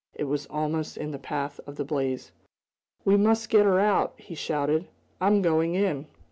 It was almost in the path of the blaze. "We must get her out!" he shouted. "I'm going in!"